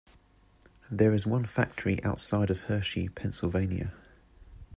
There is one factory outside of Hershey, Pennsylvania.